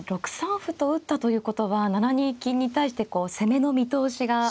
６三歩と打ったということは７二金に対して攻めの見通しが。